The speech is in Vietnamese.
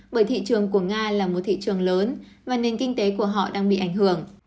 bởi thị trường của nga là một thị trường lớn và nền kinh tế của họ đang bị ảnh hưởng